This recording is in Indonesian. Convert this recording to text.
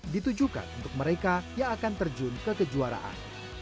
ditujukan untuk mereka yang akan terjun ke kejuaraan